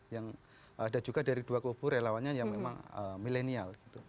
yang ada juga dari dua kubu relawannya yang memang milenial